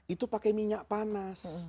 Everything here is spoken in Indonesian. itu pakai minyak panas